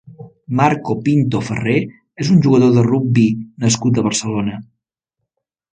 Marco Pinto Ferrer és un jugador de rugbi nascut a Barcelona.